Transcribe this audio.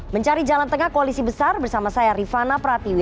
mencari jalan tengah koalisi besar bersama saya rifana pratiwi